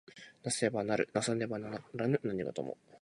為せば成る為さねば成らぬ何事も。